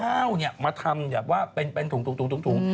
ข้าวเนี่ยมาทำเป็นถุง